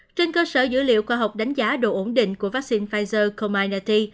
trên cơ sở dữ liệu khoa học đánh giá độ ổn định của vaccine pfizer combinati